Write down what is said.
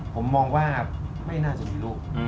ผมมองว่าไม่น่าจะมีลูก